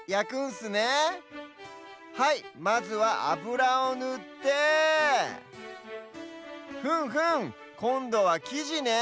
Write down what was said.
はいまずはあぶらをぬってふむふむこんどはきじね。